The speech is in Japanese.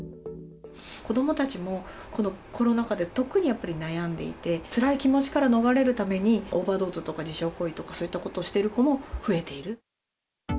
子どもたちも、このコロナ禍で特にやっぱり悩んでいて、つらい気持ちから逃れるために、オーバードーズとか、自傷行為とか、そういったことをしてる子も増えている。